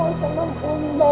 aku mau pulih ngerah